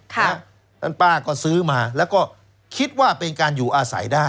๒๐๐กว่าแปงนะครับป้าก็ซื้อมาแล้วก็คิดว่าเป็นการอยู่อาศัยได้